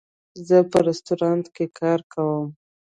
زه په رستورانټ کې کار کوم